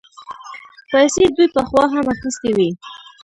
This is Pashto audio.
پيسې دوی پخوا هم اخيستې وې.